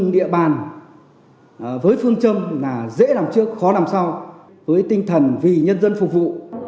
địa bàn với phương châm là dễ làm trước khó làm sau với tinh thần vì nhân dân phục vụ